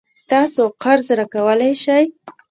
تاسو قرض راکولای شئ؟